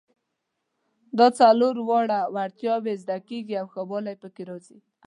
دا څلور واړه وړتیاوې زده کیږي او ښه والی پکې راځي.